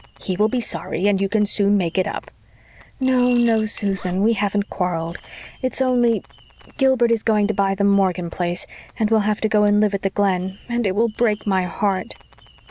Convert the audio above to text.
He will be sorry, and you can soon make it up." "No, no, Susan, we haven't quarrelled. It's only Gilbert is going to buy the Morgan place, and we'll have to go and live at the Glen. And it will break my heart."